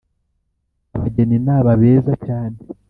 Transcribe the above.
abageni naba beza cyane